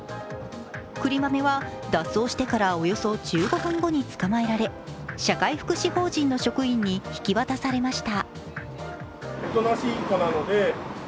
くりまめは脱走してからおよそ１５分後につかまえられ、社会福祉法人の職員に引き渡されました。